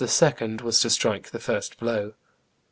was to strike the first blow.